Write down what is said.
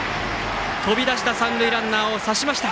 飛び出した三塁ランナーを刺しました。